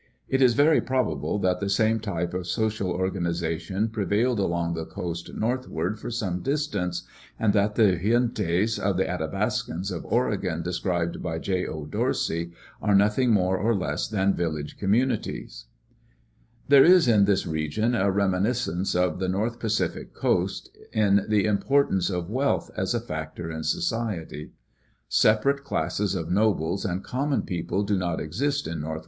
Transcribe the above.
It is very probable that the same type of social organization prevailed along the coast northward for some distance, and that the gentes of the Athabascans of Oregon described by J. O. Dorsey are nothing more or less than village communities. There is in this region a reminiscence of the North Pacific coast in the importance of wealth as a factor in society. Sepa rate classes of nobles and common people do not exist in north 88 University of California Publications. [AM. ARCH. ETH.